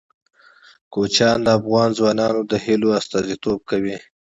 کوچیان د افغان ځوانانو د هیلو استازیتوب کوي.